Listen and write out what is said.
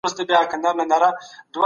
ګاونډیان به ټولو ته برابر حقونه ورکوي.